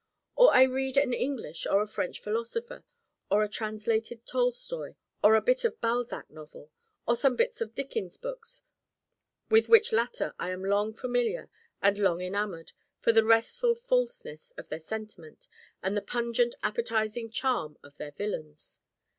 Or I read an English or a French philosopher, or a translated Tolstoi, or a bit of Balzac novel, or some bits of Dickens books with which latter I am long familiar and long enamored for the restful falseness of their sentiment and the pungent appetizing charm of their villains.